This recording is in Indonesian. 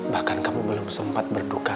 bahkan kamu belum sempat berduka